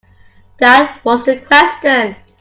That was the question.